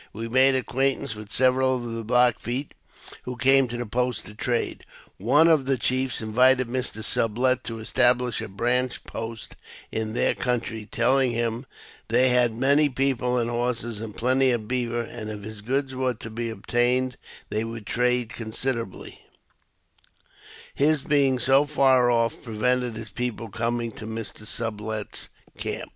We made acquaintance with several of th& Black Feet, who came to the post to trade. One of the chiefs invited Mr. Sublet to establish a branch post in their country, telling him they had many people and horses, and plenty of beaver, and if his goods were to be obtained they would trade considerably ; his being so far off prevented his people coming to Mr. Sublet's camp.